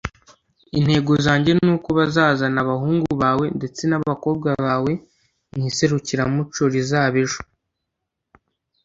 intego yanjye nuko bazazana abahungu bawe ndetse n’abakobwa bawe mu iserukiramuco rizaba ejo.